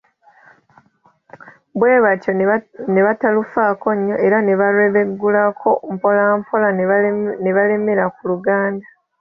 Bwe batyo, ne batalufaako nnyo era ne balwebengulako mpolampola ne balemera ku Luganda.